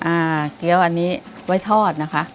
เกี้ยวอันนี้ไว้ทอดนะคะ